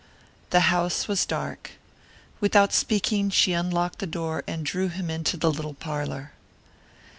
The house was dark. Without speaking she unlocked the door and drew him into the little parlour.